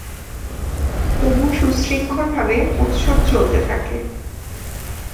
তবু সুশৃঙ্খলভাবে উৎসব চলতে থাকে।